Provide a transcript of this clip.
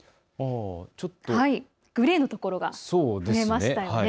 グレーの所が増えましたね。